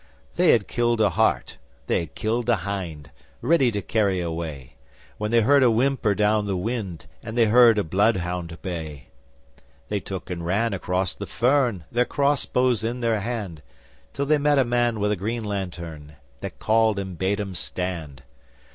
They had killed a hart, they had killed a hind, Ready to carry away, When they heard a whimper down the wind And they heard a bloodhound bay. They took and ran across the fern, Their crossbows in their hand, Till they met a man with a green lantern That called and bade 'em stand.